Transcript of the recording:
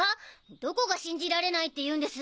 どこが信じられないって言うんです？